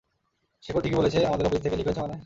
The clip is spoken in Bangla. শেখর ঠিকই বলেছে আমাদের অফিস থেকে লিক হয়েছে মানে?